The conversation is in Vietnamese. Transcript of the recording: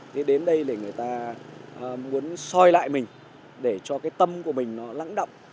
thế đến đây để người ta muốn soi lại mình để cho cái tâm của mình nó lắng động